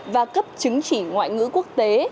và cấp chứng chỉ ngoại ngữ quốc tế